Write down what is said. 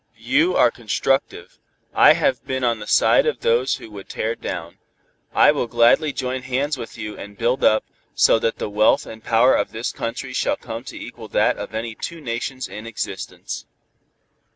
You are constructive: I have been on the side of those who would tear down. I will gladly join hands with you and build up, so that the wealth and power of this country shall come to equal that of any two nations in existence."